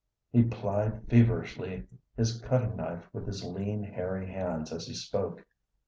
He plied feverishly his cutting knife with his lean, hairy hands as he spoke.